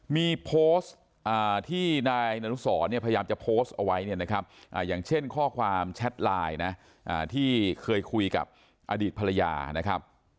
มีโพสต์ที่นายนูศรพยายามจะโพสต์เอาไว้อย่างเช่นข้อความแชทไลน์ที่เคยคุยกับอดีตภรรยา